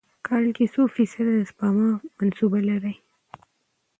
کال کې څو فیص ده د سپما منصوبه لرئ؟